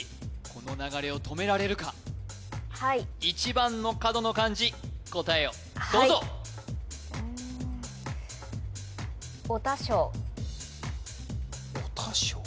この流れを止められるか一番の角の漢字答えをどうぞおたしょう？